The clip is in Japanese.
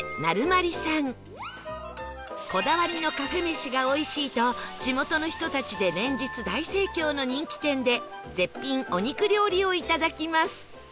こだわりのカフェ飯が美味しいと地元の人たちで連日大盛況の人気店で絶品お肉料理を頂きます